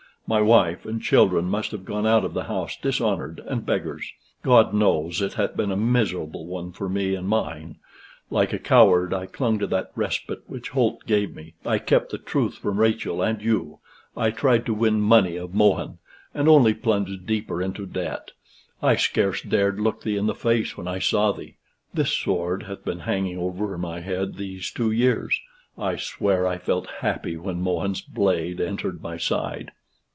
My wife and children must have gone out of the house dishonored, and beggars. God knows, it hath been a miserable one for me and mine. Like a coward, I clung to that respite which Holt gave me. I kept the truth from Rachel and you. I tried to win money of Mohun, and only plunged deeper into debt; I scarce dared look thee in the face when I saw thee. This sword hath been hanging over my head these two years. I swear I felt happy when Mohun's blade entered my side."